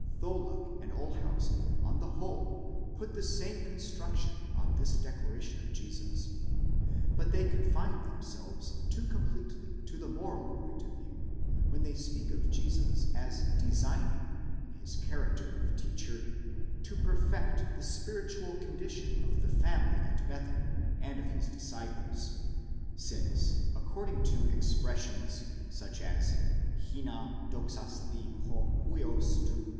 Tholuck and Olshausen on the whole put the same construction on this declaration of Jesus; but they confine themselves too completely to the moral point of view, when they speak of Jesus as designing, in his character of teacher, to perfect the spiritual condition of the family at Bethany and of his disciples ; *6 since, according to expres sions, such as iva δοξασθῇ ὃ vids τ. θ.